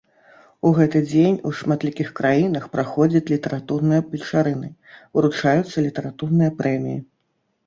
У гэты дзень у шматлікіх краінах праходзяць літаратурныя вечарыны, уручаюцца літаратурныя прэміі.